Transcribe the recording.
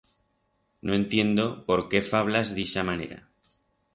No entiendo por qué fablas d'ixa manera.